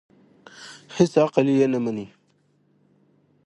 هېڅ عقل یې نه مني.